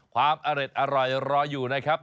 ความอร่อยรออยู่นะครับ